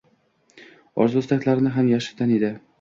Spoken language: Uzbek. orzu-istaklarini ham yaxshi taniydi